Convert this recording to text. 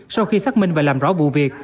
sau khi xác minh và làm rõ vụ việc